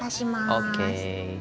ＯＫ。